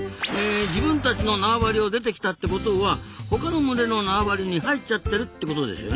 自分たちの縄張りを出てきたってことは他の群れの縄張りに入っちゃってるってことですよね。